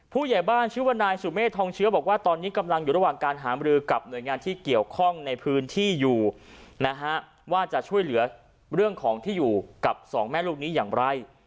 ผู้ใหญ่บ้านชื่อว่านายสุเมฆทองเชื้อบอกว่าตอนนี้กำลังอยู่ระหว่างการหามรือกับหน่วยงานที่เกี่ยวข้องในพื้นที่อยู่นะฮะว่าจะช่วยเหลือเรื่องของที่อยู่กับสองแม่ลูกนี้อย่างไร